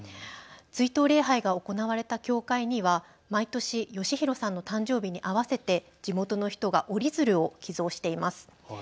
追悼礼拝が行われた教会には毎年剛丈さんの誕生日に合わせて地元の人が折り鶴を寄贈しています。